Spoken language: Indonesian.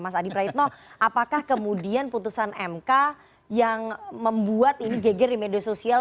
mas adi praitno apakah kemudian putusan mk yang membuat ini geger di media sosial